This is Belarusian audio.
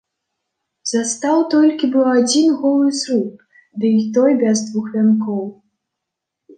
Застаў толькі быў адзін голы зруб, ды і той без двух вянкоў.